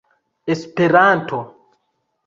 esperanto